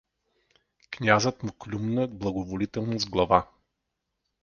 Князът му клюмна благоволително с глава.